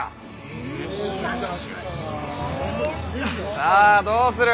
さぁどうする？